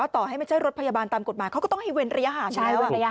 ต่อให้ไม่ใช่รถพยาบาลตามกฎหมายเขาก็ต้องให้เว้นระยะห่าง